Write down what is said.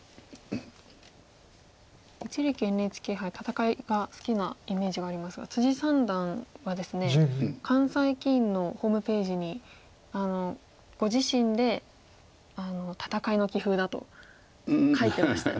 一力ＮＨＫ杯戦いが好きなイメージがありますが三段はですね関西棋院のホームページにご自身で戦いの棋風だと書いてましたね。